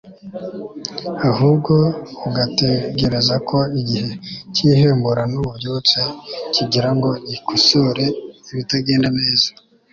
ahubwo bugategereza ko igihe cy'ihembura n'ububyutse kigera ngo gikosore ibitagenda neza